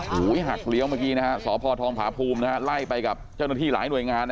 โอ้โหหักเลี้ยวเมื่อกี้นะฮะสพทองผาภูมินะฮะไล่ไปกับเจ้าหน้าที่หลายหน่วยงาน